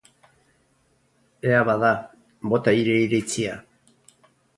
Ea bada, bota hire iritzia.